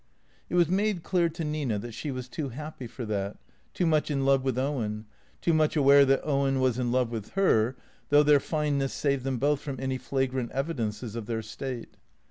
It was made clear to Nina that she was too happy for that, too much in love with Owen, too much aware that Owen was in love with her, though their fineness saved them both from any flagrant evidences of their state.